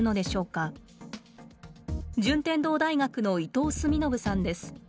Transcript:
順天堂大学の伊藤澄信さんです。